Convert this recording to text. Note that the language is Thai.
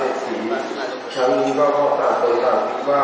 การพุทธศักดาลัยเป็นภูมิหลายการพุทธศักดาลัยเป็นภูมิหลาย